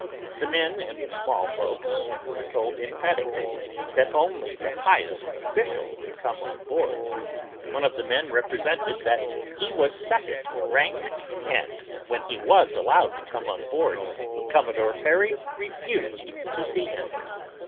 The men in the small boats were told emphatically that only the highest official could come on board. One of the men represented that he was second in rank and when he was allowed to come on board Commodore Perry refused to see him.